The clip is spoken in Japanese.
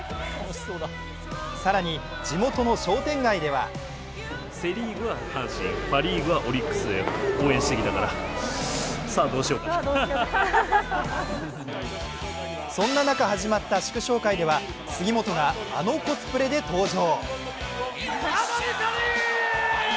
更に、地元の商店街ではそんな中、始まった祝勝会では杉本があのコスプレで登場。